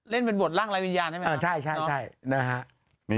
เล่นเป็นบทรัพย์ล่างรายวิญญาณใช่ไหมครับอ่าใช่ใช่ใช่